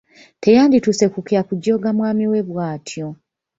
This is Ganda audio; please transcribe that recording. Teyandituuse ku kya kujooga mwami we bwatyo.